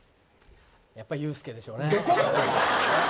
やっぱユースケでしょうね。